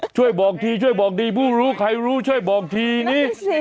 ช่วยบอกทีช่วยบอกดีผู้รู้ใครรู้ช่วยบอกทีนี้